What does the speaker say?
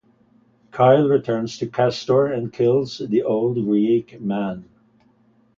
Kyle returns to Castor and kills the old Greek man.